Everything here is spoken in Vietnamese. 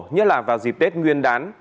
như là vào dịp tết nguyên đán